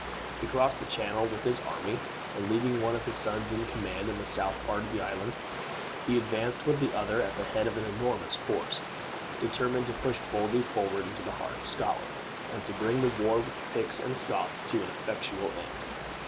He crossed the Channel with his army, and, leaving one of his sons in command in the south part of the island, he advanced with the other, at the head of an enormous force, determined to push boldly forward into the heart of Scotland, and to bring the war with the Picts and Scots to an effectual end.